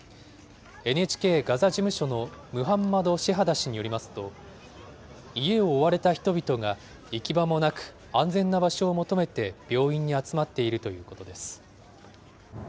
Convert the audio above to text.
ＮＨＫガザ事務所のムハンマド・シェハダ氏によりますと、家を追われた人々が行き場もなく、安全な場所を求めて病院に集まっているということです。